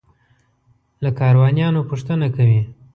له کاروانیانو پوښتنه کوي.